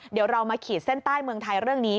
เดี๋ยวเรามาขีดเส้นใต้เมืองไทยเรื่องนี้